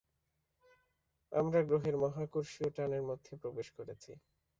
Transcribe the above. আমরা গ্রহের মহাকর্ষীয় টানের মধ্যে প্রবেশ করেছি।